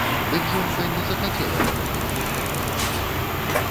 Дык жонка не захацела яму тых портак латаць.